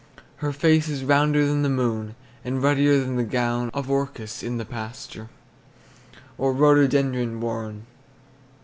Her face is rounder than the moon, And ruddier than the gown Of orchis in the pasture, Or rhododendron worn.